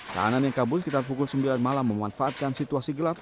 tahanan yang kabur sekitar pukul sembilan malam memanfaatkan situasi gelap